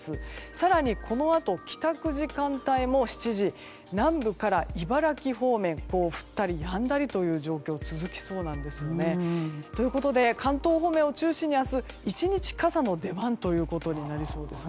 更に、このあと帰宅時間帯も７時南部から茨城方面降ったりやんだりという状況が続きそうなんですよね。ということで関東方面を中心に明日１日傘の出番となりそうです。